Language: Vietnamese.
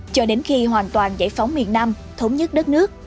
cho đến khi hoàn toàn giải phóng miền nam thống nhất đất nước